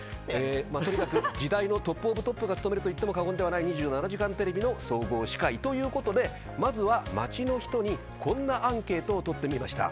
とにかく時代のトップオブトップが務めるといっても過言ではない２７時間テレビの総合司会ということでまずは街の人にこんなアンケートを取ってみました。